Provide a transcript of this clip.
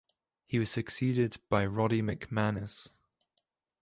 He was succeeded by Roddy McManus.